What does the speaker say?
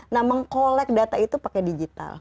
nah meng collect data itu pakai digital